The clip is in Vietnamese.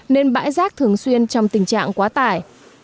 nên bãi rác thường xuyên trong tình trạng quá tải